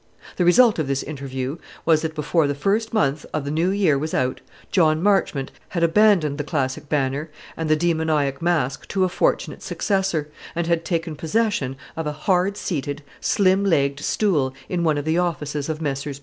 The result of this interview was, that before the first month of the new year was out, John Marchmont had abandoned the classic banner and the demoniac mask to a fortunate successor, and had taken possession of a hard seated, slim legged stool in one of the offices of Messrs.